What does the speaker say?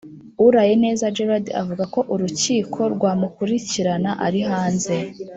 urayeneza gérard avuga ko urukiko rwamukurikirana ari hanze,